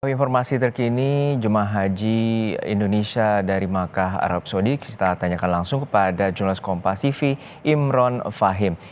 informasi terkini jemaah haji indonesia dari makkah arab saudi kita tanyakan langsung kepada jurnalis kompasifi imron fahim